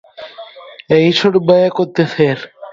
E iso non vai acontecer.